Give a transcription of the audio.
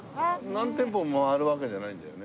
何店舗も回るわけじゃないんだよね？